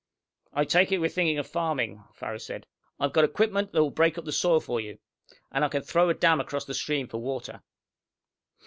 "I take it we're thinking of farming," Farrow said. "I've got equipment that will break up the soil for you. And I can throw a dam across the stream for water."